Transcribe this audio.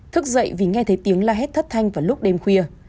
thức dậy vì nghe thấy tiếng la hết thất thanh vào lúc đêm khuya